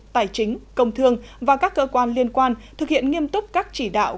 tài chính công thương và các cơ quan liên quan thực hiện nghiêm túc các chỉ đạo